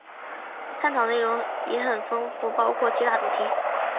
探讨内容也很丰富，包含七大主题